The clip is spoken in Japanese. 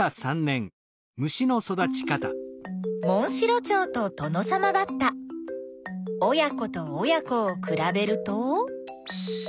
モンシロチョウとトノサマバッタ親子と親子をくらべると。